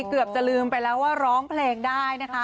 เกือบจะลืมไปแล้วว่าร้องเพลงได้นะคะ